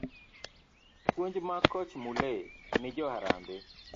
puonj mag koch Mulee ni jo Harambee.